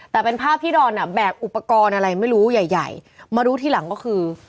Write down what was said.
แต่เป็นภาพที่ดอนอ่ะแบกอุปกรณ์อะไรไม่รู้ใหญ่ใหญ่มารู้ทีหลังก็คือ